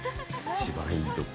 一番いいとこ。